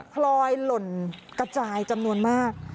พลอยหล่นกระจายจำนวนมาก